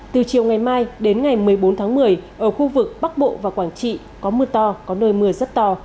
từ chiều ngày mai đến ngày một mươi bốn tháng một mươi ở khu vực bắc bộ và quảng trị có mưa to có nơi mưa rất to